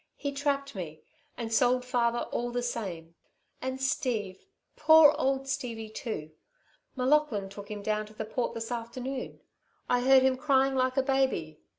He trapped me and sold father all the same and Steve, poor old Stevie, too. M'Laughlin took him down to the Port this afternoon. I heard him crying like a baby.